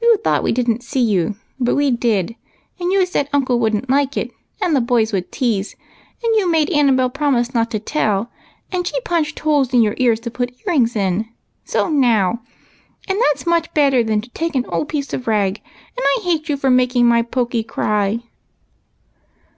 You thought w^e didn't see you, but we did, and you said uncle would n't like it, and the boys would tease, and you made Annabel promise not to tell, and she punched holes in your ears to put ear rings in. So now ! and that 's much badder than to take an old piece of rag ; and I hate you for making my Pokey cry."